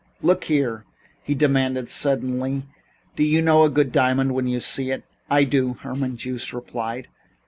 "Look here," he demanded suddenly, "do you know a good diamond when you see it?" "I do," Herman Joost replied.